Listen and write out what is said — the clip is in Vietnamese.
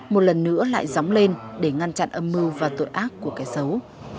một lần nữa lại dóng lên để ngăn chặn âm mưu và tội ác của kẻ xấu